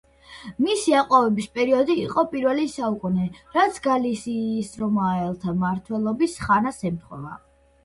მისი აყვავების პერიოდი იყო პირველი საუკუნე, რაც გალისიის რომაელთა მმართველობის ხანას ემთხვევა.